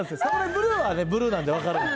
ブルーはブルーなんで分かる。